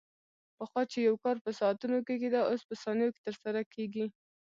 پخوا چې یو کار په ساعتونو کې کېده، اوس په ثانیو کې ترسره کېږي.